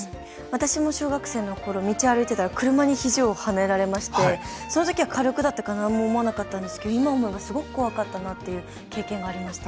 私も小学生のころ道を歩いてたら車にひじをはねられましてそのときは軽くだったからなんも思わなかったんですけど今思えばすごく怖かったなという経験がありました。